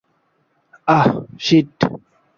আহ, sheet.